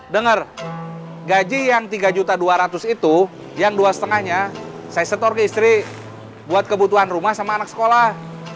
dengar gaji yang tiga juta dua ratus itu yang dua limanya saya setor ke istri buat kebutuhan rumah sama anak sekolah